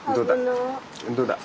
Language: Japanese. どうだ？